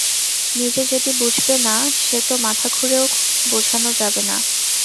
নিজে যেটি বুঝবে না সে তো মাথা খুঁড়েও বুঝানো যাবে না।